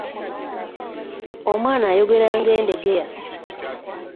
Omwana ayogera nga Endegeya